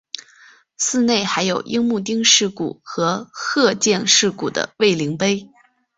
寺内还有樱木町事故和鹤见事故的慰灵碑。